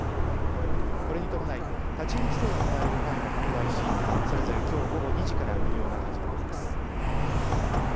これに伴い立ち入り規制が行われる範囲も拡大しそれぞれ、きょう午後２時から運用が始まります。